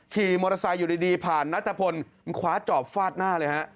ขี่มอเตอร์ไซค์อยู่ดีผ่านนัทพลคว้าจอบฟาดหน้าเลยฮะ